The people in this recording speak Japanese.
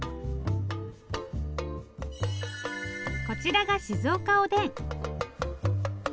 こちらが静岡おでん。